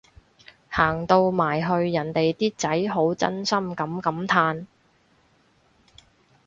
行到埋去人哋啲仔好真心噉感嘆